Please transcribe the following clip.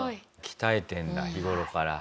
鍛えてるんだ日頃から。